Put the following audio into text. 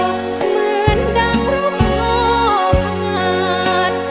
ตอนยามโมเหมือนดังรบโมผ่าน